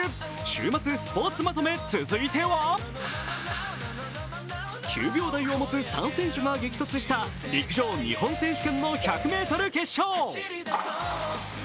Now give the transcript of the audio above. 週末スポーツまとめ続いては９秒台を持つ３選手が激突した陸上日本選手権の１００ｍ決勝。